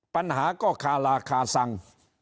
ปัญหาก็คาราคาซัง